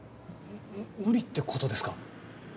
無理ってことですか？